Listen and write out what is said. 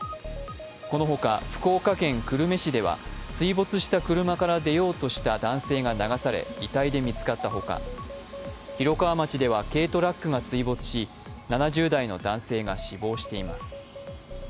このほか、福岡県久留米市では水没した車から出ようとした男性が流され、遺体で見つかったほか広川町では軽トラックが水没し７０代の男性が死亡しています。